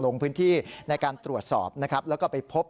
ลงพื้นที่ในการตรวจสอบนะครับแล้วก็ไปพบ